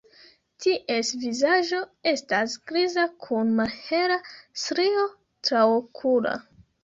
Ties vizaĝo estas griza kun malhela strio traokula.